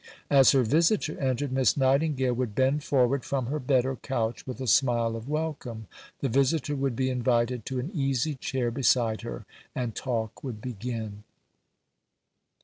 As her visitor entered, Miss Nightingale would bend forward from her bed or couch with a smile of welcome; the visitor would be invited to an easy chair beside her, and talk would begin.